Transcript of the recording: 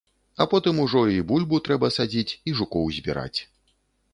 А потым ужо і бульбу трэба садзіць, і жукоў збіраць.